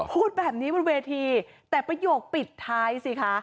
พูดแบบนี้บนเวทีแต่ประโยคปิดท้ายสิคะ